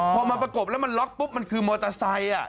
พอมาประกบแล้วมันล็อกปุ๊บมันคือมอเตอร์ไซค์